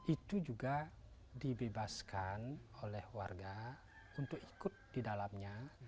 itu juga dibebaskan oleh warga untuk ikut di dalamnya